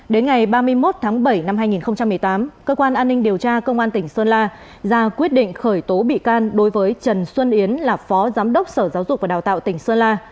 đến ngày ba mươi một tháng bảy năm hai nghìn một mươi tám cơ quan an ninh điều tra công an tỉnh sơn la ra quyết định khởi tố bị can đối với trần xuân yến là phó giám đốc sở giáo dục và đào tạo tỉnh sơn la